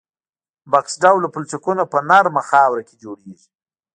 بکس ډوله پلچکونه په نرمه خاوره کې جوړیږي